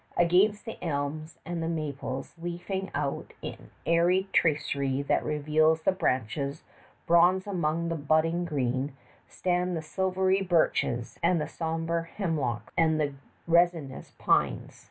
Against the elms and the maples leafing out in airy tracery that reveals the branches bronze among the budding green, stand the silver birches, and the somber hemlocks, and the resinous pines.